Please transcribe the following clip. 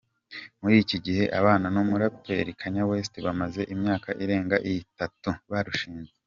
Muri iki gihe abana n’umuraperi Kanye West bamaze imyaka irenga itatu barushinze.